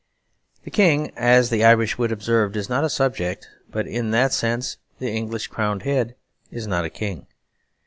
The King, as the Irish wit observed, is not a subject; but in that sense the English crowned head is not a King.